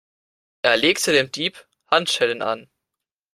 Er legte dem Dieb Handschellen an.